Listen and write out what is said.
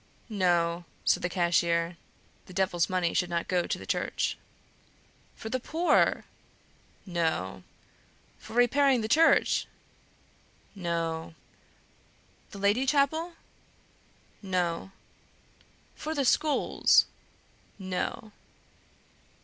"No," said the cashier. (The Devil's money should not go to the Church.) "For the poor!" "No." "For repairing the Church!" "No." "The Lady Chapel!" "No." "For the schools!" "No."